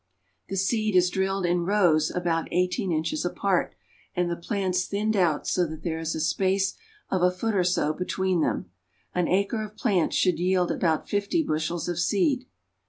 The seed is drilled in rows about eighteen inches apart, and the plants thinned out so that there is a space of a foot or so between them. An acre of plants should yield about fifty bushels of seed.